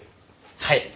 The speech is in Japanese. はい！